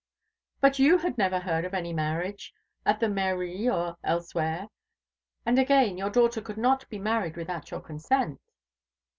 "But you had never heard of any marriage at the Mairie or elsewhere? And, again, your daughter could not be married without your consent."